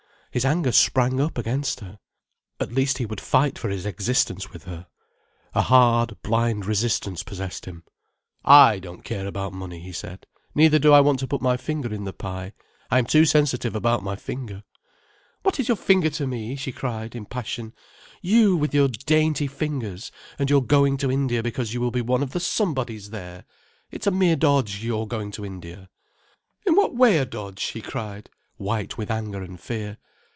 His anger sprang up, against her. At least he would fight for his existence with her. A hard, blind resistance possessed him. "I don't care about money," he said, "neither do I want to put my finger in the pie. I am too sensitive about my finger." "What is your finger to me?" she cried, in a passion. "You with your dainty fingers, and your going to India because you will be one of the somebodies there! It's a mere dodge, your going to India." "In what way a dodge?" he cried, white with anger and fear.